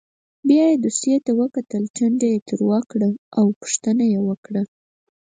بیا یې دوسیې ته وکتل ټنډه یې تروه کړه او پوښتنه یې وکړه.